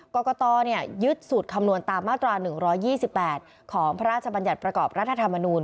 กรกตยึดสูตรคำนวณตามมาตรา๑๒๘ของพระราชบัญญัติประกอบรัฐธรรมนูล